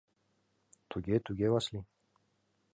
— Туге-туге, Васлий.